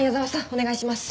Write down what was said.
お願いします。